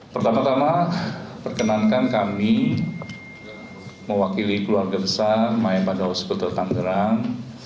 pertama tama perkenankan kami mewakili keluarga besar maya pada hospital tangerang